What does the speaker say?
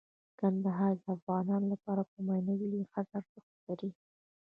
کندهار د افغانانو لپاره په معنوي لحاظ ارزښت لري.